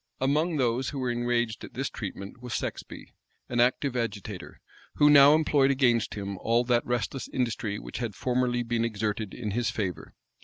Among those who were enraged at this treatment was Sexby, an active agitator, who now employed against him all that restless industry which had formerly been exerted in his favor.